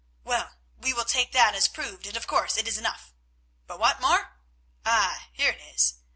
Well, we will take that as proved, and, of course, it is enough. But what more? Ah! here it is.